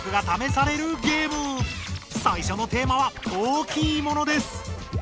さいしょのテーマは「大きいもの」です！